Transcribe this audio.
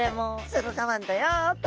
駿河湾だよっと。